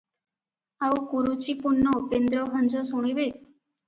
ଆଉ କୁରୁଚିପୂର୍ଣ୍ଣ ଉପେନ୍ଦ୍ରଭଞ୍ଜ ଶୁଣିବେ?